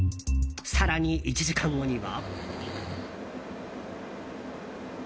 更に１時間後には。